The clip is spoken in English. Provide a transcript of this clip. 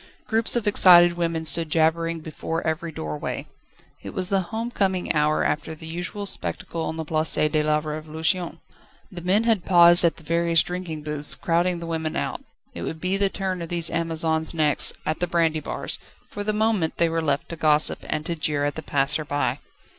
Groups of excited women stood jabbering before every doorway. It was the home coming hour after the usual spectacle on the Place de la Révolution. The men had paused at the various drinking booths, crowding the women out. It would be the turn of these Amazons next, at the brandy bars; for the moment they were left to gossip, and to jeer at the passer by.